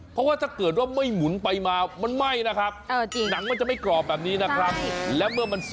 เพราะว่าถ้าเกิดว่าไม่หมุนไปมามันไหม้นะครับ